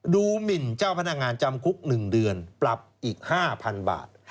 หมินเจ้าพนักงานจำคุก๑เดือนปรับอีก๕๐๐๐บาท